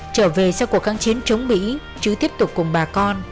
trở về sau cuộc kháng chiến chống mỹ chứ tiếp tục cùng bà con